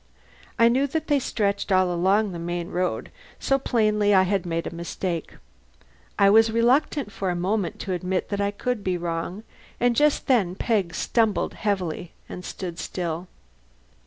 I knew that they stretched all along the main road, so plainly I had made a mistake. I was reluctant for a moment to admit that I could be wrong, and just then Peg stumbled heavily and stood still.